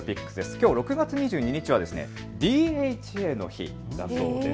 きょう６月２２日はＤＨＡの日だそうです。